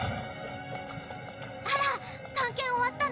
あら探検終わったの？